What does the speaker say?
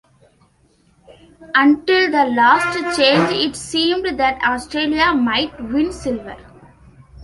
Until the last change, it seemed that Australia might win silver.